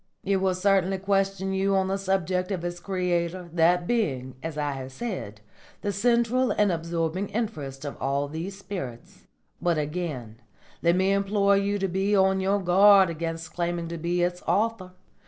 It will certainly question you on the subject of its creator, that being, as I have said, the central and absorbing interest of all these spirits. But again let me implore you to be on your guard against claiming to be its author.